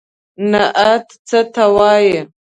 نعت څه ته وايي.